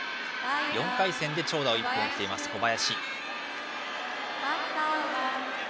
４回戦で長打を１本打っています小林。